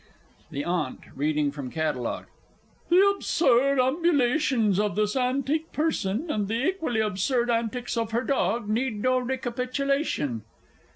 THE AUNT (reading from Catalogue). "The absurd ambulations of this antique person, and the equally absurd antics of her dog, need no recapitulation."